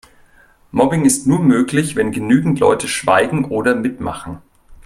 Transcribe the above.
Mobbing ist nur möglich, wenn genügend Leute schweigen oder mitmachen.